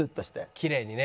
きれいにね